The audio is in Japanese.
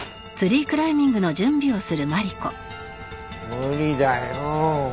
無理だよ。